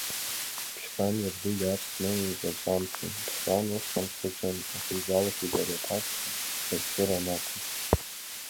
Ԥшьҟан иабду иаб Смел иҟаҵамҭан, Ԥшьҟан усҟан дхәыҷын, аха игәалашәоит ари аԥацха аисыр анақәыз.